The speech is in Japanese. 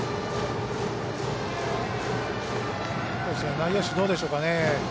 内野手、どうでしょうかね。